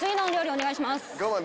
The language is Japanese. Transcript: お願いします。